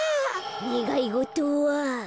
ねがいごとは。